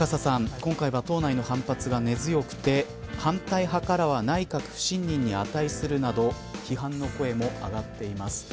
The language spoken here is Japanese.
今回は党内の反発が根強くて反対派からは、内閣不信任に値するなど批判の声も上がっています。